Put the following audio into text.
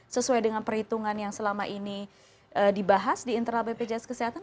sesuai dengan perhitungan yang selama ini dibahas di internal bpjs kesehatan